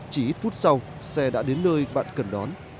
chỉ ít phút sau xe đã đến nơi bạn cần đón